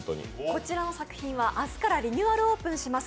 こちらの作品は明日からリニューアルオープンします